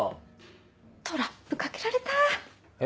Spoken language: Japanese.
トラップかけられた！え？